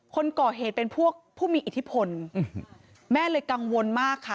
คนก่อเหตุเป็นพวกผู้มีอิทธิพลแม่เลยกังวลมากค่ะ